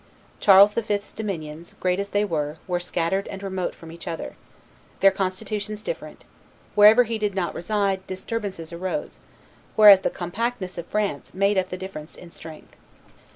Charles V.'s dominions, great as they were, were scattered and remote from each other; their constitutions different; wherever he did not reside, disturbances arose; whereas the compactness of France made up the difference in the strength.